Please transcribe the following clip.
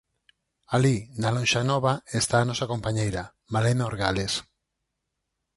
Alí, na lonxa nova, está a nosa compañeira, Malena Orgales.